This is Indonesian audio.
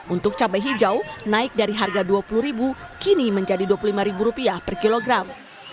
untuk cabai hijau naik dari harga rp dua puluh kini menjadi rp dua puluh lima per kilogram